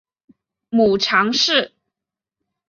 母常氏。